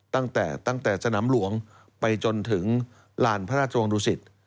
ตั้งแต่สนามหลวงไปจนถึงหลานพระราชวงศ์ดูสิทธิ์